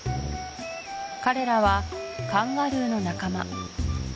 彼らはカンガルーの仲間